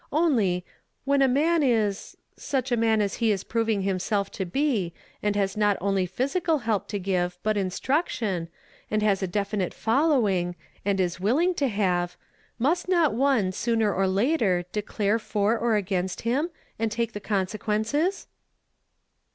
Only — when a man is — such a man as he is proving himself to be, and has not only physical help to give, but instruction, and has a definite following, and is willing to have, nuist not one, sooner or later, declare for or against him, and take the consequences